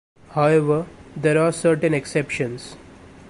However, there are certain exceptions.